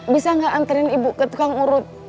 bisa gak anterin ibu ke tukang urut